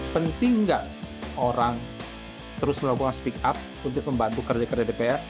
penting nggak orang terus melakukan speak up untuk membantu kerja kerja dpr